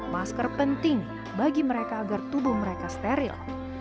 masker penting bagi mereka agar tubuh mereka steril